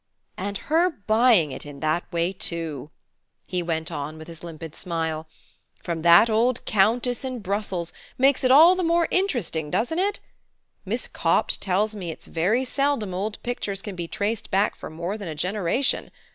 "And her buying it in that way, too," he went on with his limpid smile, "from that old Countess in Brussels, makes it all the more interesting, doesn't it? Miss Copt tells me it's very seldom old pictures can be traced back for more than a generation.